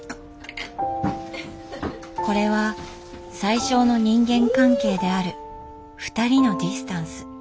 これは最少の人間関係である「ふたり」のディスタンス